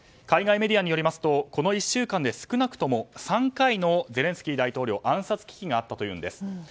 海外メディアによりますとこの１週間で少なくとも３回のゼレンスキー大統領の暗殺危機があったというんです。